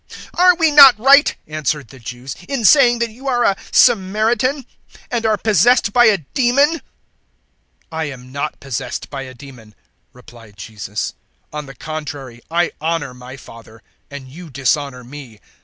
008:048 "Are we not right," answered the Jews, "in saying that you are a Samaritan and are possessed by a demon?" 008:049 "I am not possessed by a demon," replied Jesus. "On the contrary I honour my Father, and you dishonour me.